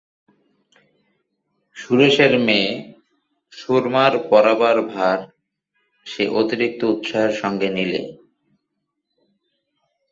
সুরেশের মেয়ে সুরমার পড়াবার ভার সে অতিরিক্ত উৎসাহের সঙ্গে নিলে।